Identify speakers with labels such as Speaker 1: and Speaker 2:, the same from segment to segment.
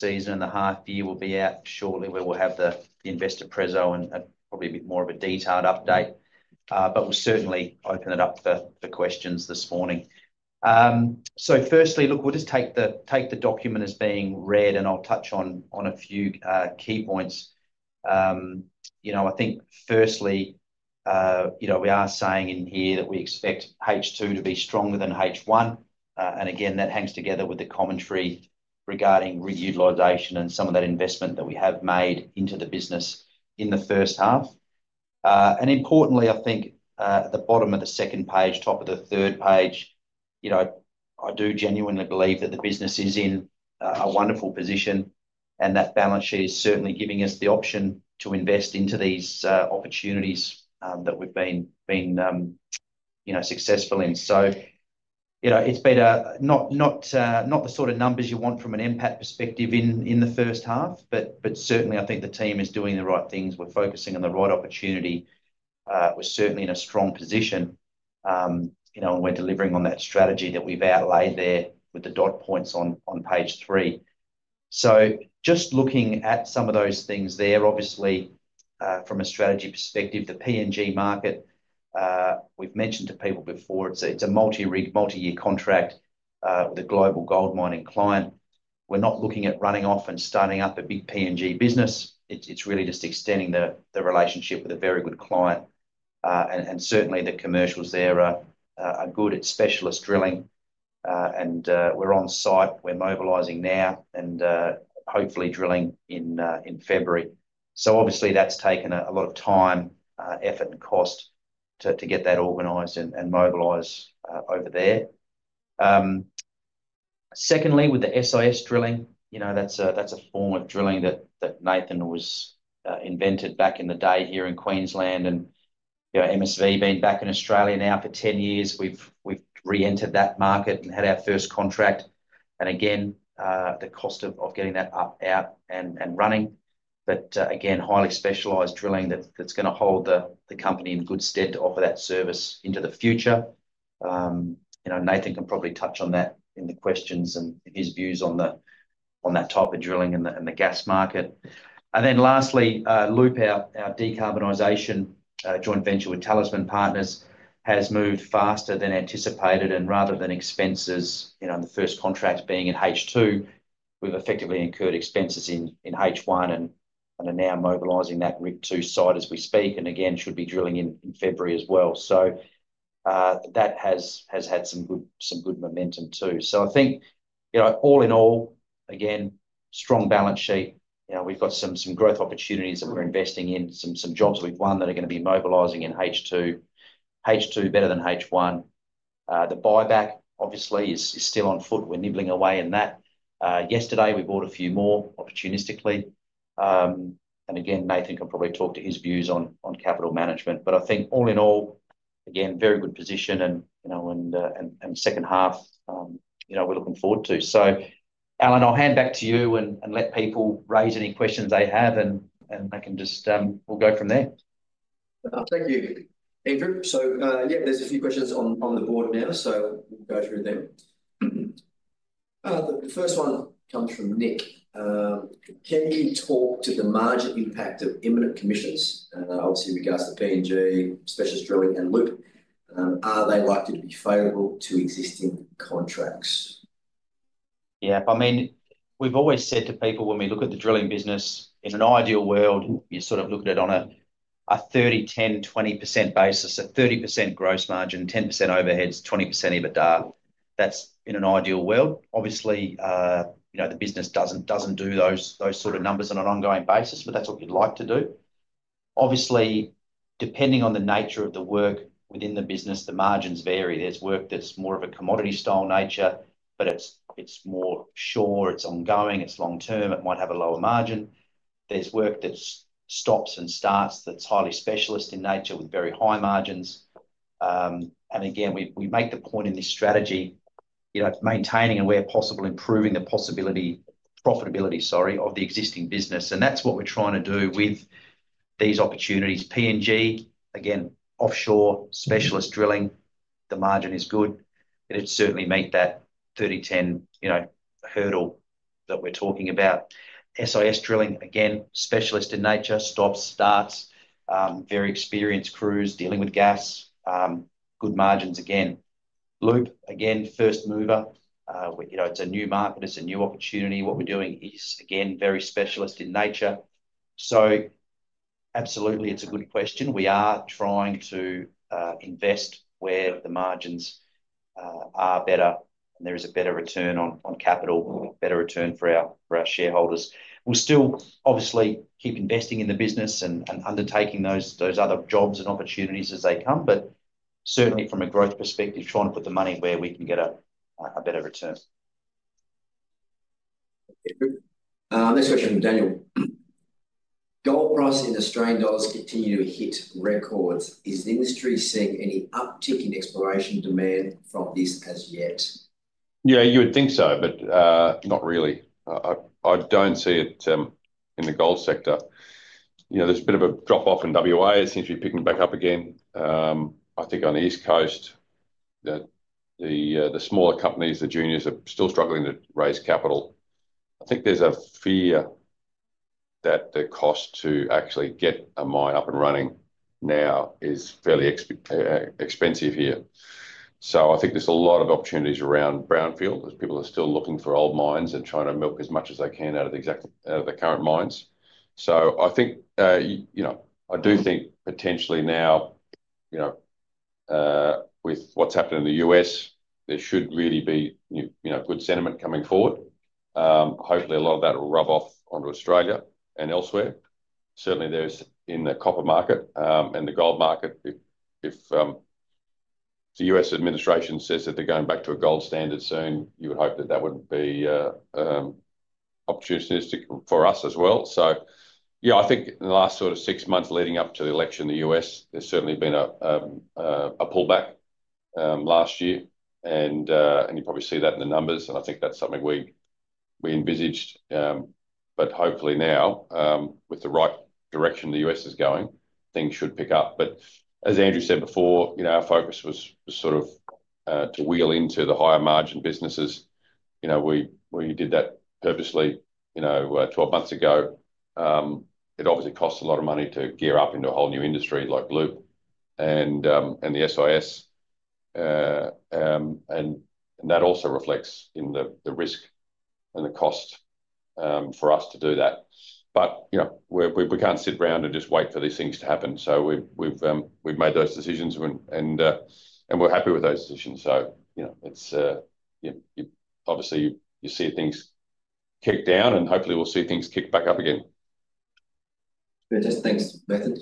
Speaker 1: The session and the half-year will be out shortly. We will have the Investor Presentation and probably a bit more of a detailed update, but we'll certainly open it up for questions this morning. Firstly, look, we'll just take the document as being read, and I'll touch on a few key points. I think firstly, we are saying in here that we expect H2 to be stronger than H1. Again, that hangs together with the commentary regarding utilization and some of that investment that we have made into the business in the first half. Importantly, I think at the bottom of the second page, top of the third page, I do genuinely believe that the business is in a wonderful position, and that balance sheet is certainly giving us the option to invest into these opportunities that we've been successful in. It's better not the sort of numbers you want from an impact perspective in the first half, but certainly, I think the team is doing the right things. We're focusing on the right opportunity. We're certainly in a strong position when delivering on that strategy that we've outlined there with the dot points on page three. So just looking at some of those things there, obviously, from a strategy perspective, the PNG market, we've mentioned to people before, it's a multi-year contract with a global gold mining client. We're not looking at running off and starting up a big PNG business. It's really just extending the relationship with a very good client. And certainly, the commercials there are good. It's specialist drilling, and we're on site. We're mobilizing now and hopefully drilling in February. Obviously, that's taken a lot of time, effort, and cost to get that organized and mobilized over there. Secondly, with the SIS drilling, that's a form of drilling that Nathan invented back in the day here in Queensland. MSV being back in Australia now for 10 years, we've re-entered that market and had our first contract. Again, the cost of getting that up and running, but again, highly specialized drilling that's going to hold the company in good stead to offer that service into the future. Nathan can probably touch on that in the questions and his views on that type of drilling and the gas market. Then lastly, Loop, our decarbonization joint venture with Talisman Partners, has moved faster than anticipated. Rather than expenses, the first contract being in H2, we've effectively incurred expenses in H1 and are now mobilizing that rig to site as we speak. Again, should be drilling in February as well. That has had some good momentum too. I think all in all, again, strong balance sheet. We've got some growth opportunities that we're investing in, some jobs we've won that are going to be mobilizing in H2, H2 better than H1. The buyback, obviously, is still on foot. We're nibbling away in that. Yesterday, we bought a few more opportunistically. Again, Nathan can probably talk to his views on capital management. I think all in all, again, very good position and second half we're looking forward to. Allen, I'll hand back to you and let people raise any questions they have, and we'll go from there.
Speaker 2: Thank you, Andrew. So yeah, there's a few questions on the board now, so we'll go through them. The first one comes from Nick. Can you talk to the margin impact of imminent commissions, obviously in regards to PNG, specialist drilling, and Loop? Are they likely to be favorable to existing contracts?
Speaker 1: Yeah, I mean, we've always said to people, when we look at the drilling business, in an ideal world, you sort of look at it on a 30, 10, 20% basis, a 30% gross margin, 10% overheads, 20% EBITDA. That's in an ideal world. Obviously, the business doesn't do those sort of numbers on an ongoing basis, but that's what you'd like to do. Obviously, depending on the nature of the work within the business, the margins vary. There's work that's more of a commodity style nature, but it's more sure, it's ongoing, it's long-term, it might have a lower margin. There's work that stops and starts that's highly specialist in nature with very high margins. And again, we make the point in this strategy, maintaining and where possible, improving the profitability of the existing business. And that's what we're trying to do with these opportunities. PNG, again, offshore, specialist drilling, the margin is good. It certainly meets that 30, 10 hurdle that we're talking about. SIS drilling, again, specialist in nature, stops, starts, very experienced crews dealing with gas, good margins again. Loop, again, first mover. It's a new market. It's a new opportunity. What we're doing is, again, very specialist in nature. So absolutely, it's a good question. We are trying to invest where the margins are better, and there is a better return on capital, better return for our shareholders. We'll still obviously keep investing in the business and undertaking those other jobs and opportunities as they come, but certainly from a growth perspective, trying to put the money where we can get a better return.
Speaker 2: Next question, Daniel. Gold price in Australian dollars continuing to hit records. Is the industry seeing any uptick in exploration demand from this as yet?
Speaker 3: Yeah, you would think so, but not really. I don't see it in the gold sector. There's a bit of a drop-off in WA. It seems to be picking back up again. I think on the East Coast, the smaller companies, the juniors, are still struggling to raise capital. I think there's a fear that the cost to actually get a mine up and running now is fairly expensive here. So I think there's a lot of opportunities around brownfield as people are still looking for old mines and trying to milk as much as they can out of the current mines. So I think I do think potentially now, with what's happened in the U.S., there should really be good sentiment coming forward. Hopefully, a lot of that will rub off onto Australia and elsewhere. Certainly, there's in the copper market and the gold market. If the U.S. administration says that they're going back to a gold standard soon, you would hope that that wouldn't be opportunistic for us as well. So yeah, I think in the last sort of six months leading up to the election in the U.S., there's certainly been a pullback last year. And you probably see that in the numbers. And I think that's something we envisaged. But hopefully now, with the right direction the U.S. is going, things should pick up. But as Andrew said before, our focus was sort of to wheel into the higher margin businesses. We did that purposely 12 months ago. It obviously costs a lot of money to gear up into a whole new industry like Loop and the SIS. And that also reflects in the risk and the cost for us to do that. But we can't sit around and just wait for these things to happen. So we've made those decisions, and we're happy with those decisions. So obviously, you see things kick down, and hopefully, we'll see things kick back up again.
Speaker 2: Good. Thanks, Nathan.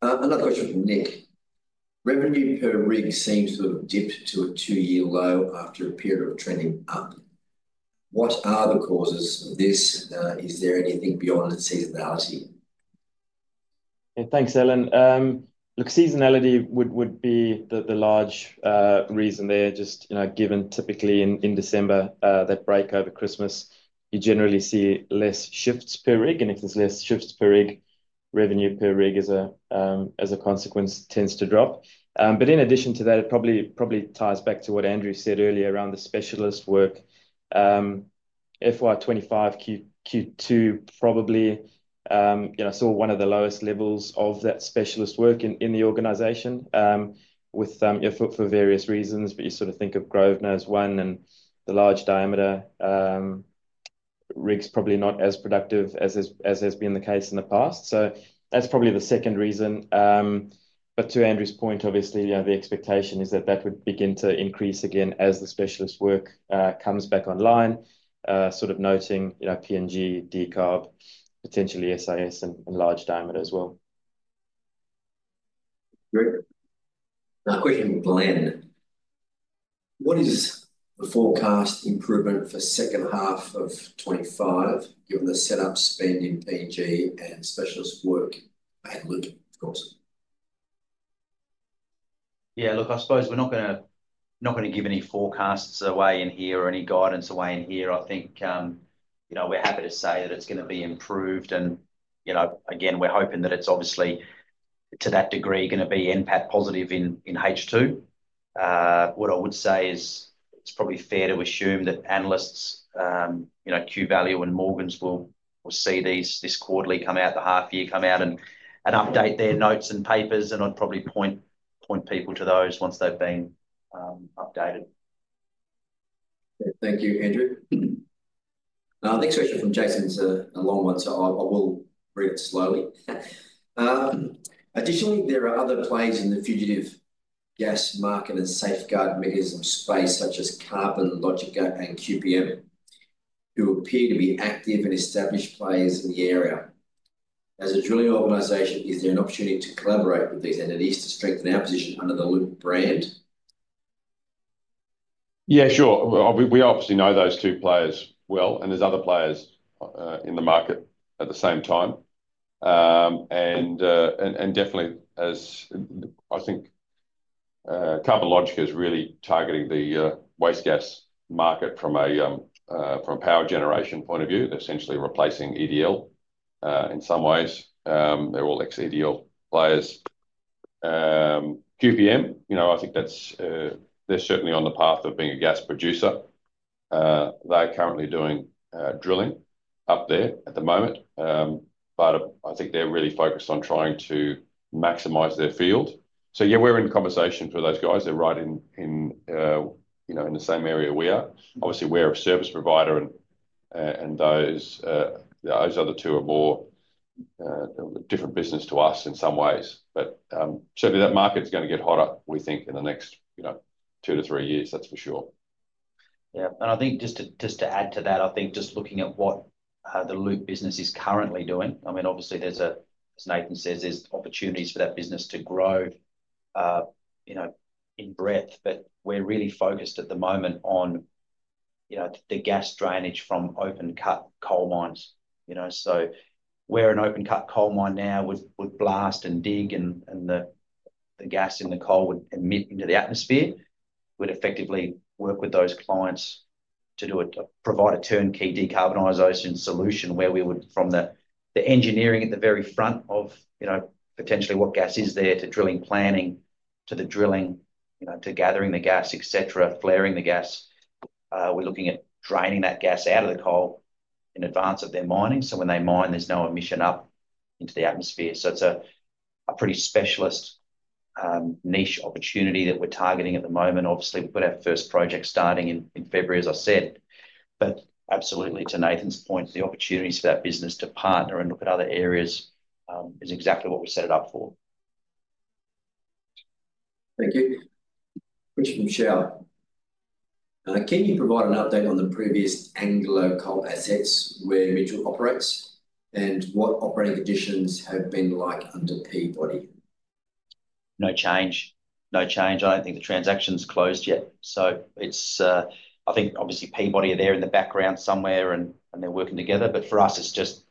Speaker 2: Another question from Nick. Revenue per rig seems to have dipped to a two-year low after a period of trending up. What are the causes of this? Is there anything beyond seasonality?
Speaker 4: Thanks, Allen. Look, seasonality would be the large reason there. Just given typically in December, that break over Christmas, you generally see less shifts per rig, and if there's less shifts per rig, revenue per rig as a consequence tends to drop, but in addition to that, it probably ties back to what Andrew said earlier around the specialist work. FY 2025 Q2 probably saw one of the lowest levels of that specialist work in the organization for various reasons, but you sort of think of Grosvenor as one, and the large diameter rig's probably not as productive as has been the case in the past, so that's probably the second reason. But to Andrew's point, obviously, the expectation is that that would begin to increase again as the specialist work comes back online, sort of noting PNG, decarb, potentially SIS, and large diameter as well.
Speaker 2: Great. Last question, Glenn. What is the forecast improvement for second half of 2025, given the setup spend in PNG and specialist work at Loop, of course?
Speaker 1: Yeah, look, I suppose we're not going to give any forecasts away in here or any guidance away in here. I think we're happy to say that it's going to be improved. And again, we're hoping that it's obviously to that degree going to be impact positive in H2. What I would say is it's probably fair to assume that analysts, Q Value and Morgans, will see this quarterly come out, the half year come out, and update their notes and papers. And I'd probably point people to those once they've been updated.
Speaker 2: Thank you, Andrew. Next question from Jason's a long one, so I will read it slowly. Additionally, there are other players in the fugitive gas market and Safeguard Mechanism space, such as Carbon Logica and QPM, who appear to be active and established players in the area. As a drilling organization, is there an opportunity to collaborate with these entities to strengthen our position under the Loop brand?
Speaker 3: Yeah, sure. We obviously know those two players well, and there's other players in the market at the same time, and definitely, I think Carbon Logica is really targeting the waste gas market from a power generation point of view. They're essentially replacing EDL in some ways. They're all ex-EDL players. QPM, I think they're certainly on the path of being a gas producer. They're currently doing drilling up there at the moment, but I think they're really focused on trying to maximize their field. So yeah, we're in conversation for those guys. They're right in the same area we are. Obviously, we're a service provider, and those other two are more different business to us in some ways. But certainly, that market's going to get hotter, we think, in the next two to three years, that's for sure.
Speaker 1: Yeah. And I think just to add to that, I think just looking at what the Loop business is currently doing, I mean, obviously, as Nathan says, there's opportunities for that business to grow in breadth. But we're really focused at the moment on the gas drainage from open-cut coal mines. So we're an open-cut coal mine now with blast and dig, and the gas in the coal would emit into the atmosphere. We'd effectively work with those clients to provide a turnkey decarbonization solution where we would, from the engineering at the very front of potentially what gas is there, to drilling planning, to the drilling, to gathering the gas, etc., flaring the gas. We're looking at draining that gas out of the coal in advance of their mining. So when they mine, there's no emission up into the atmosphere. So it's a pretty specialist niche opportunity that we're targeting at the moment. Obviously, we've got our first project starting in February, as I said. But absolutely, to Nathan's point, the opportunities for that business to partner and look at other areas is exactly what we set it up for.
Speaker 2: Thank you. Question from Michelle. Can you provide an update on the previous Anglo Coal assets where Mitchell operates and what operating conditions have been like under Peabody?
Speaker 1: No change. No change. I don't think the transaction's closed yet. So I think obviously Peabody are there in the background somewhere, and they're working together. But for us, it's just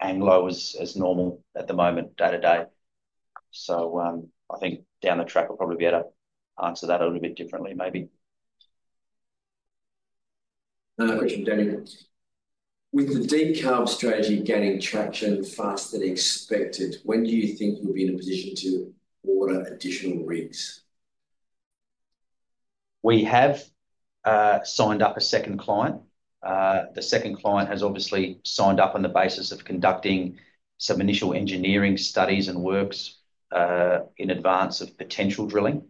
Speaker 1: Anglo is normal at the moment, day to day. So I think down the track, we'll probably be able to answer that a little bit differently, maybe.
Speaker 2: Another question. With the decarb strategy getting traction faster than expected, when do you think you'll be in a position to order additional rigs?
Speaker 1: We have signed up a second client. The second client has obviously signed up on the basis of conducting some initial engineering studies and works in advance of potential drilling,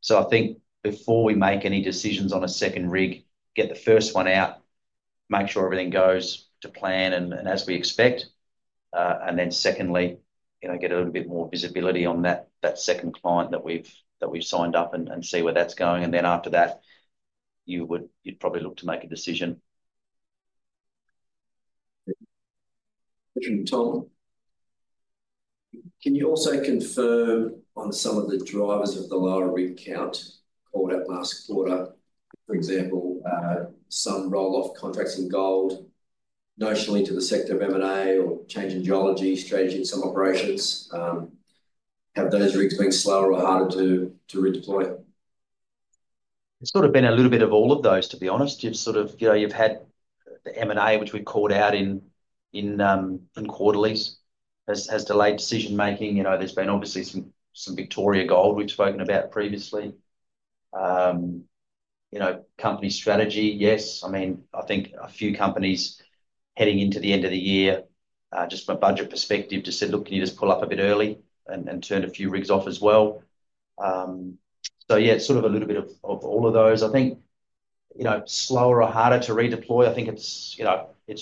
Speaker 1: so I think before we make any decisions on a second rig, get the first one out, make sure everything goes to plan and as we expect, and then secondly, get a little bit more visibility on that second client that we've signed up and see where that's going, and then after that, you'd probably look to make a decision.
Speaker 2: Question from Tom. Can you also confirm on some of the drivers of the lower rig count called out last quarter? For example, some roll-off contracts in gold, notionally to the sector of M&A or change in geology strategy in some operations. Have those rigs been slower or harder to redeploy?
Speaker 1: It's sort of been a little bit of all of those, to be honest. You've had the M&A, which we called out in quarterlies, has delayed decision-making. There's been obviously some Victoria Gold we've spoken about previously. Company strategy, yes. I mean, I think a few companies heading into the end of the year, just from a budget perspective, just said, "Look, can you just pull up a bit early and turn a few rigs off as well?" So yeah, it's sort of a little bit of all of those. I think slower or harder to redeploy. I think it's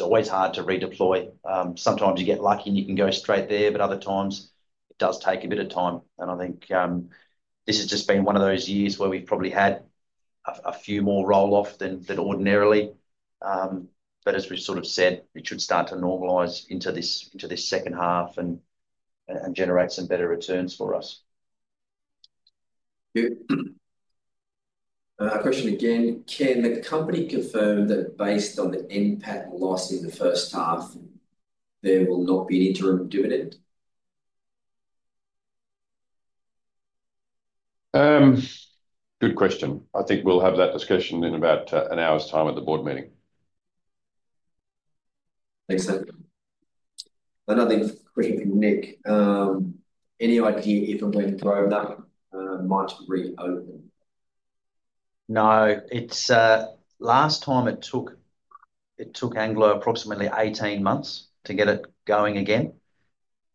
Speaker 1: always hard to redeploy. Sometimes you get lucky and you can go straight there, but other times it does take a bit of time. And I think this has just been one of those years where we've probably had a few more roll-off than ordinarily. But as we've sort of said, it should start to normalize into this second half and generate some better returns for us.
Speaker 2: Good. Question again. Can the company confirm that based on the impact lost in the first half, there will not be an interim dividend?
Speaker 3: Good question. I think we'll have that discussion in about an hour's time at the board meeting.
Speaker 2: Thanks, Nathan. Another question from Nick. Any idea if and when Grosvenor might reopen?
Speaker 1: No. Last time, it took Anglo approximately 18 months to get it going again.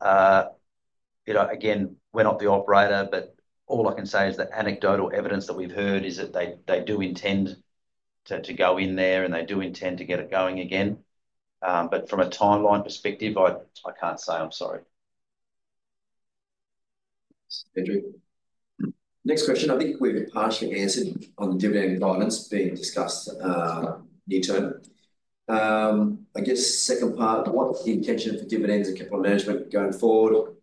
Speaker 1: Again, we're not the operator, but all I can say is the anecdotal evidence that we've heard is that they do intend to go in there, and they do intend to get it going again. But from a timeline perspective, I can't say. I'm sorry.
Speaker 2: Next question. I think we've partially answered on dividend and governance being discussed near term. I guess second part, what's the intention for dividends and capital management going forward,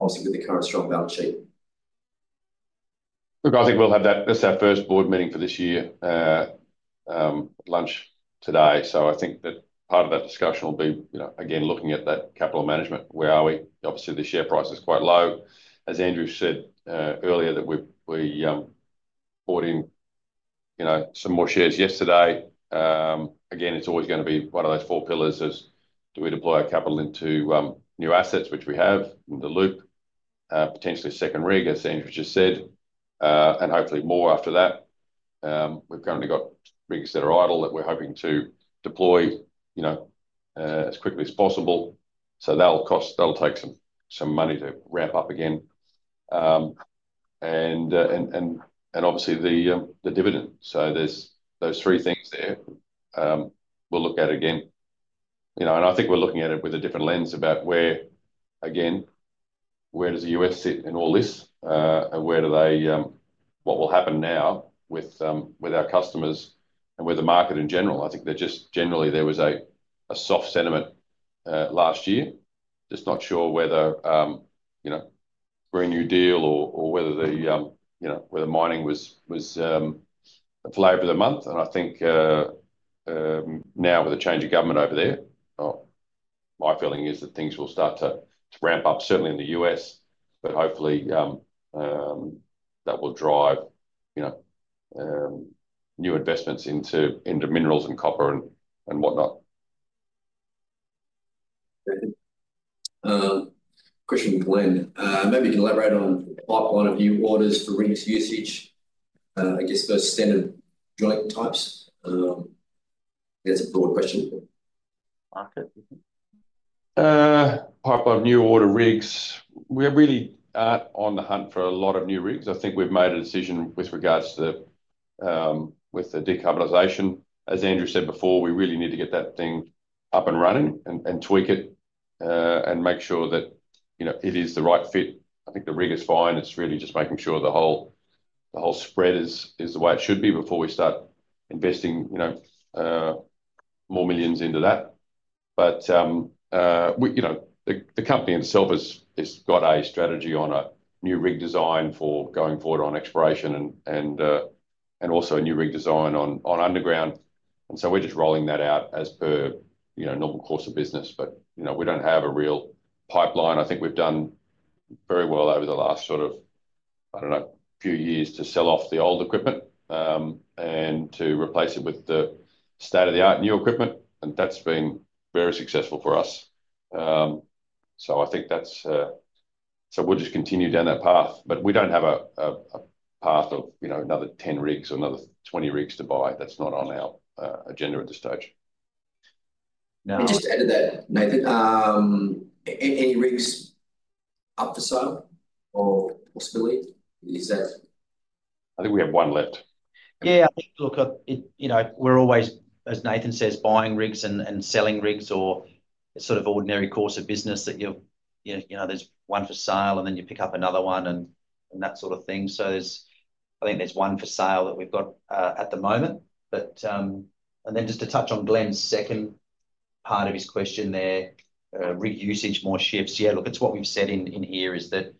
Speaker 2: obviously with the current strong balance sheet?
Speaker 3: Look, I think we'll have that. That's our first board meeting for this year, lunch today. So I think that part of that discussion will be, again, looking at that capital management. Where are we? Obviously, the share price is quite low. As Andrew said earlier, that we bought in some more shares yesterday. Again, it's always going to be one of those four pillars is, do we deploy our capital into new assets, which we have in the Loop, potentially second rig, as Andrew just said, and hopefully more after that. We've currently got rigs that are idle that we're hoping to deploy as quickly as possible. So that'll take some money to ramp up again. And obviously, the dividend. So there's those three things there we'll look at again. And I think we're looking at it with a different lens about where, again, where does the U.S. sit in all this? And what will happen now with our customers and with the market in general? I think there just generally was a soft sentiment last year. Just not sure whether brand new deal or whether the mining was the flavor of the month. And I think now with a change of government over there, my feeling is that things will start to ramp up, certainly in the U.S. But hopefully, that will drive new investments into minerals and copper and whatnot.
Speaker 2: Question from Glenn. Maybe elaborate on pipeline of new orders for rigs usage, I guess, for standard joint types. That's a broad question.
Speaker 3: Pipeline of new order rigs. We really aren't on the hunt for a lot of new rigs. I think we've made a decision with regards to the decarbonization. As Andrew said before, we really need to get that thing up and running and tweak it and make sure that it is the right fit. I think the rig is fine. It's really just making sure the whole spread is the way it should be before we start investing more millions into that. But the company itself has got a strategy on a new rig design for going forward on exploration and also a new rig design on underground. So we're just rolling that out as per normal course of business. But we don't have a real pipeline. I think we've done very well over the last sort of, I don't know, few years to sell off the old equipment and to replace it with the state-of-the-art new equipment, and that's been very successful for us, so I think that's, so we'll just continue down that path, but we don't have a path of another 10 rigs or another 20 rigs to buy, that's not on our agenda at this stage.
Speaker 2: Just to add to that, Nathan, any rigs up for sale or possibility? Is that.
Speaker 3: I think we have one left.
Speaker 1: Yeah. Look, we're always, as Nathan says, buying rigs and selling rigs or it's sort of ordinary course of business that there's one for sale and then you pick up another one and that sort of thing. So I think there's one for sale that we've got at the moment. And then just to touch on Glenn's second part of his question there, rig usage more shifts. Yeah, look, it's what we've said in here is that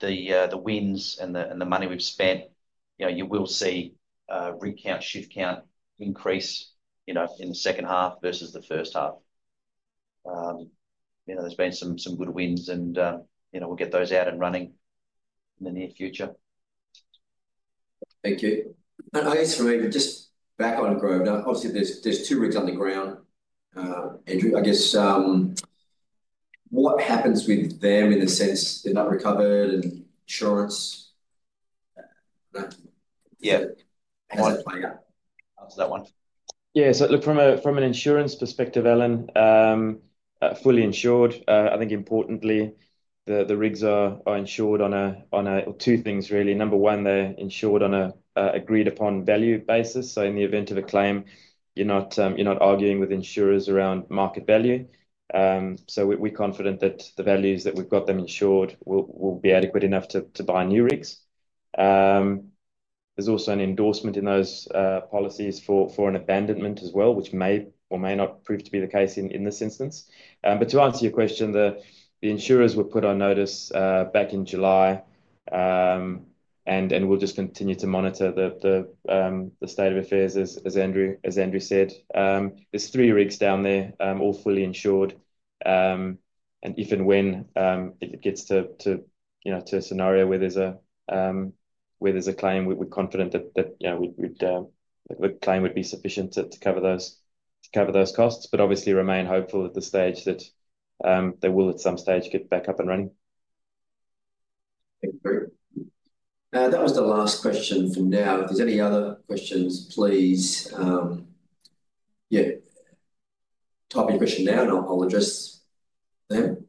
Speaker 1: the wins and the money we've spent, you will see rig count, shift count increase in the second half versus the first half. There's been some good wins, and we'll get those out and running in the near future.
Speaker 2: Thank you. I guess, just back on Grosvenor, obviously, there's two rigs underground. Andrew, I guess, what happens with them in the sense they're not recovered and insurance?
Speaker 1: Yeah. How does it play out?
Speaker 3: Answer that one.
Speaker 4: Yeah. So look, from an insurance perspective, Allen, fully insured, I think importantly, the rigs are insured on two things, really. Number one, they're insured on an agreed-upon value basis. So in the event of a claim, you're not arguing with insurers around market value. So we're confident that the values that we've got them insured will be adequate enough to buy new rigs. There's also an endorsement in those policies for an abandonment as well, which may or may not prove to be the case in this instance. But to answer your question, the insurers were put on notice back in July, and we'll just continue to monitor the state of affairs, as Andrew said. There are three rigs down there, all fully insured. And if and when it gets to a scenario where there's a claim, we're confident that the claim would be sufficient to cover those costs. But obviously, remain hopeful at the stage that they will at some stage get back up and running.
Speaker 2: That was the last question for now. If there's any other questions, please type your question down, and I'll address them.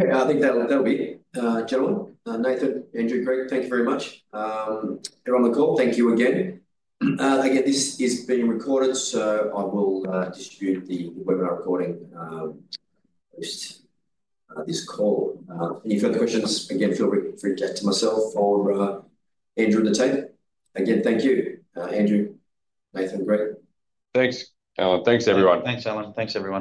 Speaker 2: I think that'll be it, gentlemen. Nathan, Andrew, Greg, thank you very much. Everyone on the call, thank you again. Again, this is being recorded, so I will distribute the webinar recording post this call. Any further questions, again, feel free to chat to myself or Andrew on the team. Again, thank you, Andrew, Nathan, Greg.
Speaker 3: Thanks, Allen. Thanks, everyone.
Speaker 1: Thanks, Allen. Thanks, everyone.